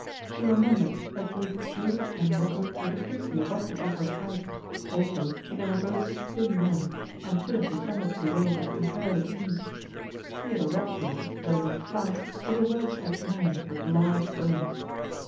He remembered that both Jules and Rocco were distinctly above the average height; also that they were both thin men, and could have descended the well with comparative ease. Theodore Racksole, though not stout, was a well set man with large bones.